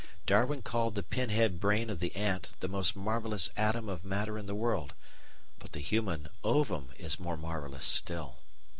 Darwin called the pinhead brain of the ant the most marvellous atom of matter in the world, but the human ovum is more marvellous still.